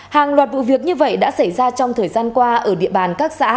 hàng loạt vụ việc như vậy đã xảy ra trong thời gian qua ở địa bàn các xã